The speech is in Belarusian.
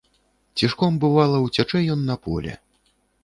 Цішком, бывала, уцячэ ён на поле.